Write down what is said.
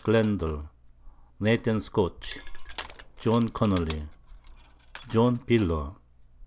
Glendall, Nath. Scotch, John Connely, John Piller.